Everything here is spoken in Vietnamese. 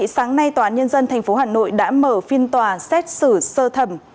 sáng nay tòa án nhân dân tp hà nội đã mở phiên tòa xét xử sơ thẩm